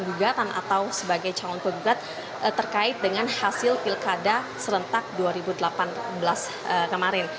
gugatan atau sebagai calon penggugat terkait dengan hasil pilkada serentak dua ribu delapan belas kemarin